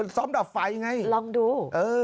ซ้อมดับไฟไงลองดู